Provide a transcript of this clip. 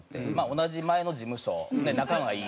同じ前の事務所仲がいい。